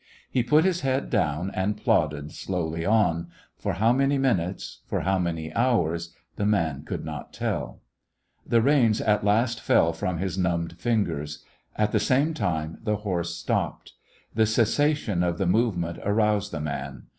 He put his head down and The West Was Young plodded slowly on — for how many minutes^ for how many; hours, the man could not tell. The reins at last fell from his numbed fingers. At the same time the horse stopped. The cessation of the movement aroused the man.